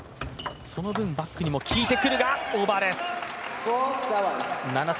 その分、バックにもきいてくるがオーバーです。